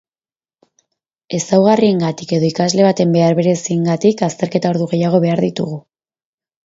Ezaugarriengatik edo ikasle baten behar bereziengatik azterketa-ordu gehiago behar ditugu.